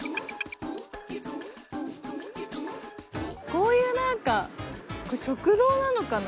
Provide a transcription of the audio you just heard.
こういう何かこれ食堂なのかな？